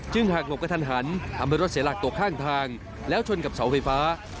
หากหลบกระทันหันทำให้รถเสียหลักตกข้างทางแล้วชนกับเสาไฟฟ้า